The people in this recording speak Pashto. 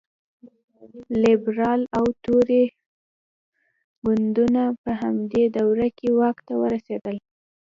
لېبرال او توري ګوندونو په همدې دوره کې واک ته ورسېدل.